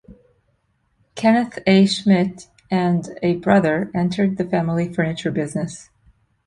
Kenneth A. Schmied and a brother entered the family furniture business.